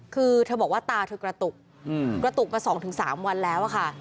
คือเธอบอกว่าตาถึงกระตุกกระตุกมาสองถึงสามวันแล้วค่ะ